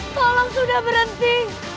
tolong sudah berhenti